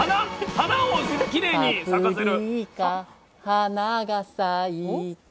花をきれいに咲かせる。